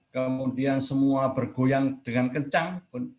kemudian semua bergoyang dengan kencang